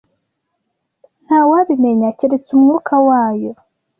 nta wabimenya keretse Umwuka wayo.